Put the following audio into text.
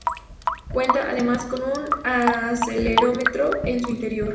Cuenta, además, con un acelerómetro en su interior.